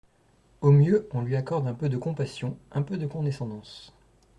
Au mieux, on lui accorde un peu de compassion, un peu de condescendance.